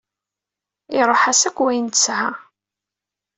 Iruḥ-as akk wayen i tesɛa.